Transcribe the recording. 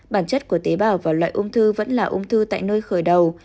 bản chất của tế bào và loại ung thư vẫn là ung thư tại nơi khởi đầu